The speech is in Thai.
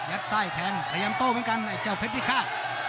ยัดไส้แทงพยายามโตเหมือนกันไอ้เจ้าเพปิก้า